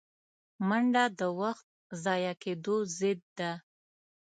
منډه د وخت ضایع کېدو ضد ده